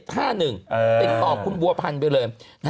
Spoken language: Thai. ๔๔๗๕๗๕๑เป็นของคุณบัวพันธุ์ไปเลย